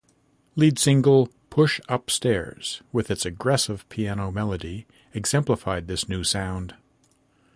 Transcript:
Lead single "Push Upstairs", with its aggressive piano melody, exemplified this new sound.